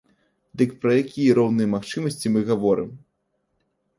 Дык пра якія роўныя магчымасці мы гаворым?